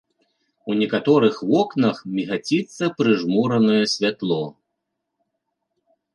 У некаторых вокнах мігаціцца прыжмуранае святло.